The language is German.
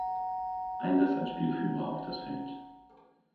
Einsatz als Spielführer auf das Feld.